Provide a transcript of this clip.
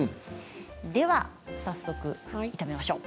では早速、炒めましょう。